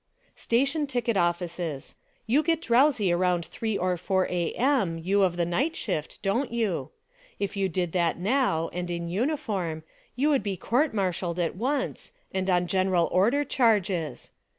Station ticket offices : You get drowsy around three or four A. M. you of the night shift, don't you? If you did that nov/, and in uniform, you would be court martialed at once and on General Order charges